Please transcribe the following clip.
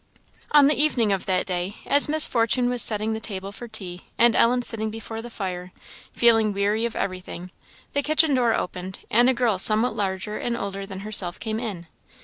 On the evening of that day, as Miss Fortune was setting the table for tea, and Ellen sitting before the fire, feeling weary of everything, the kitchen door opened, and a girl somewhat larger and older than herself came in.